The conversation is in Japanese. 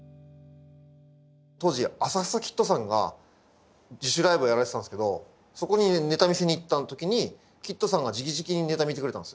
当時浅草キッドさんが自主ライブをやられてたんですけどそこにネタ見せに行った時にキッドさんがじきじきにネタ見てくれたんですよ。